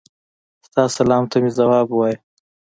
ستا سلام ته مي ځواب ووایه.